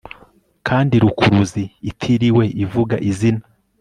Kandi rukuruzi itiriwe ivuga izina